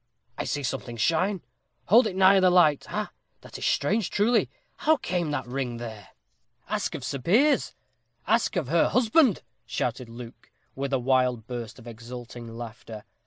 "I see something shine. Hold it nigher the light. Ha! that is strange, truly. How came that ring there?" "Ask of Sir Piers! ask of her husband!" shouted Luke, with a wild burst of exulting laughter. "Ha! ha!